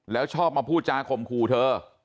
แล้วชอบมาพูดจาข่มขู่เธอ